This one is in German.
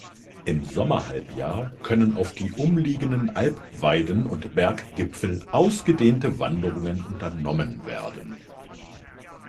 Im Sommerhalbjahr können auf die umliegenden Alpweiden und Berggipfel ausgedehnte Wanderungen unternommen werden.